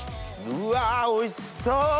うわおいしそう！